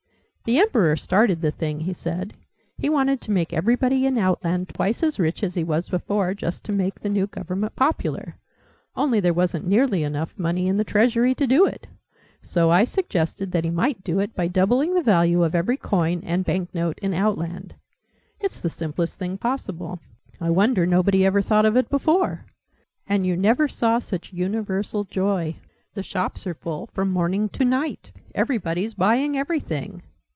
"The Emperor started the thing," he said. "He wanted to make everybody in Outland twice as rich as he was before just to make the new Government popular. Only there wasn't nearly enough money in the Treasury to do it. So I suggested that he might do it by doubling the value of every coin and bank note in Outland. It's the simplest thing possible. I wonder nobody ever thought of it before! And you never saw such universal joy. The shops are full from morning to night. Everybody's buying everything!"